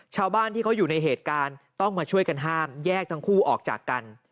ชาวบ้านที่เขาอยู่ในเหตุการณ์ต้องมาช่วยกันห้ามแยกทั้งคู่ออกจากกัน